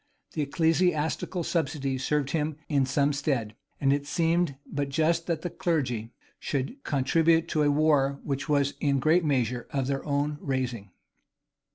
The ecclesiastical subsidies served him in some stead; and it seemed but just that the clergy should contribute to a war which was in a great measure of their own raising.